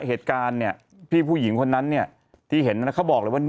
เหตุการณ์เนี่ยพี่ผู้หญิงคนนั้นเนี่ยที่เห็นเขาบอกเลยว่า